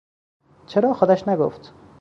چرا خودش نگفت؟